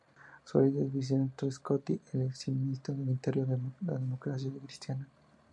Su líder era Vincenzo Scotti, el exministro de Interior de Democracia Cristiana.